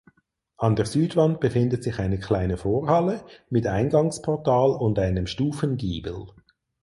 An der Südwand befindet sich eine kleine Vorhalle mit Eingangsportal und einem Stufengiebel.